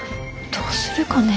どうするかね。